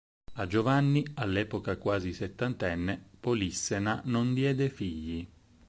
A Giovanni, all'epoca quasi settantenne, Polissena non diede figli.